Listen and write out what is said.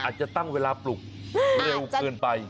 อาจจะตั้งเวลาปลุกเร็วเกินไป